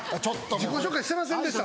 自己紹介してませんでした？